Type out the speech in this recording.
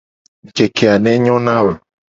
Ngukeke a ne nyo na wo.